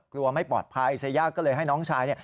กลัวไม่ปลอดภัยเซย่าก็เลยให้น้องชาย